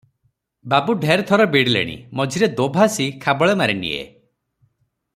ବାବୁ ଢେର ଥର ବିଡ଼ିଲେଣି ମଝିରେ ଦୋଭାଷୀ ଖାବଳେ ମାରିନିଏ ।